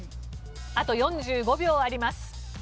あと４５秒あります。